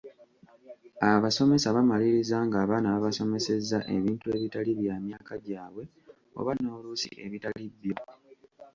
Abasomesa bamaliriza ng’abaana babasomesezza ebintu ebitali bya myaka gyabwe oba n’oluusi ebitali byo.